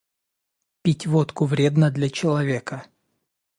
Пить водку вредно для человека